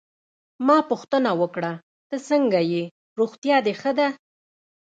ما پوښتنه وکړه: ته څنګه ېې، روغتیا دي ښه ده؟